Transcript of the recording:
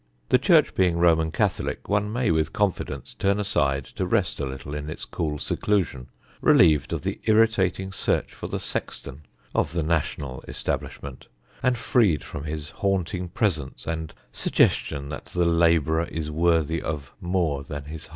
The church being Roman Catholic one may with confidence turn aside to rest a little in its cool seclusion, relieved of the irritating search for the sexton of the national establishment, and freed from his haunting presence and suggestion that the labourer is worthy of more than his hire.